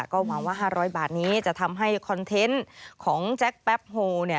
ก็หวังว่า๕๐๐บาทนี้จะทำให้คอนเทนต์ของแจ็คแป๊บโฮ